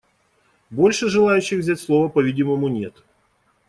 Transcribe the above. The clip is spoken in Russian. Больше желающих взять слово, по-видимому, нет.